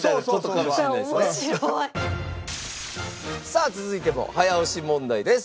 さあ続いても早押し問題です。